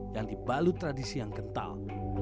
yang dibalut tradisi yang kental